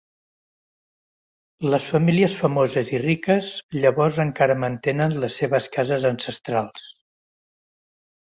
Les famílies famoses i riques llavors encara mantenen les seves cases ancestrals.